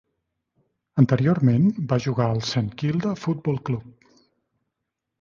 Anteriorment va jugar al Saint Kilda Football Club.